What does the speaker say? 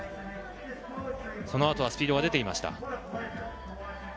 そのあとはスピードが出ていました。